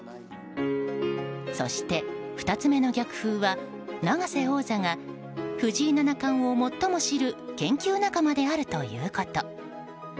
そして２つ目の逆風は永瀬王座が藤井七冠を最も知る研究仲間であるということ。